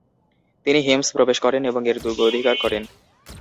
তিনি হিমস প্রবেশ করেন এবং এর দুর্গ অধিকার করেন।